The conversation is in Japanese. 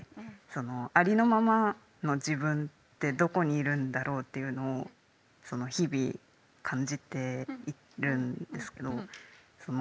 ありのままの自分ってどこにいるんだろうというのを日々感じているんですけど。